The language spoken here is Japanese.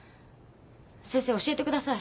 先生教えてください。